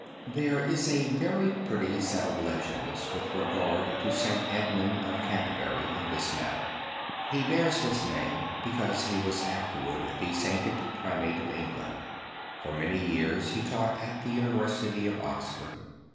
There is a very pretty set of legends with regard to St. Edmund of Canterbury in this matter. He bears this name because he was afterward the sainted primate of England. For many years he taught at the University of Oxford.